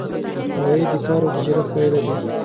عواید د کار او تجارت پایله دي.